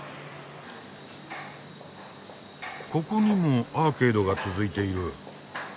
ここにもアーケードが続いている。